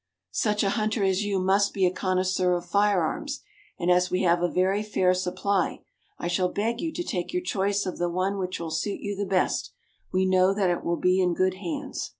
Such a hunter as you must be a connoisseur of fire arms, and as we have a very fair supply, I shall beg you to take your choice of the one which will suit you the best ; we know that it will be in good hands."